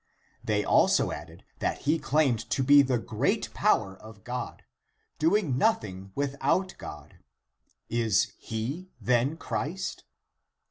They also added that he claimed to be the great power of God, doing nothing without God. Is he then Christ?